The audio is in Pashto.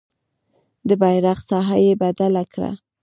د بیرغ ساحه یې بدله کړه.